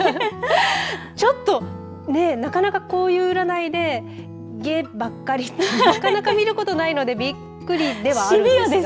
ちょっとなかなかこういう占いで下ばっかりってなかなか見ることがないのでびっくりではあるんですが。